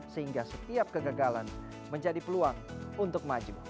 sehingga setiap kegagalan menjadi peluang untuk maju